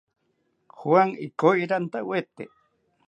Juan ikoyi rantawete